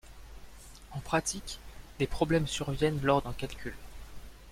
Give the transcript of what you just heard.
En pratique, des problèmes surviennent lors d'un calcul.